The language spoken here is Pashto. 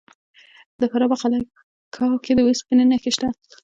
د فراه په قلعه کاه کې د وسپنې نښې شته.